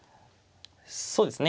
そうですね。